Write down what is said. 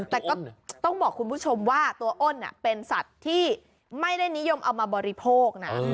แต่ก็ต้องบอกคุณผู้ชมว่าตัวอ้นเป็นสัตว์ที่ไม่ได้นิยมเอามาบริโภคนะ